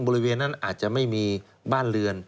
บริเวณนั้นอาจจะไม่มีบ้านเรือน